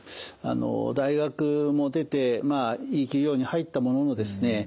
大学も出ていい企業に入ったもののですね